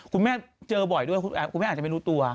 คุณแม่เจอบ่อยด้วยคุณแม่อาจจะไม่รู้ตัว